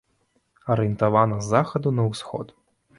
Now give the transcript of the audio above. Арыентавана з захаду на ўсход.